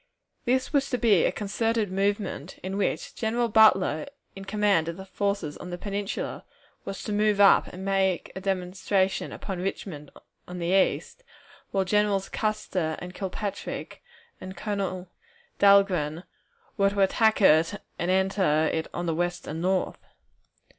This was to be a concerted movement, in which General Butler, in command of the forces on the Peninsula, was to move up and make a demonstration upon Richmond on the east, while Generals Custer and Kilpatrick and Colonel Dahlgren were to attack it and enter on the west and north.